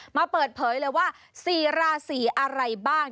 มาเปิดเผยเลยว่า๔ราศีอะไรบ้าง